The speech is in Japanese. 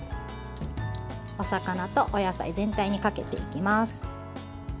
お魚とお野菜全体にかけていきます。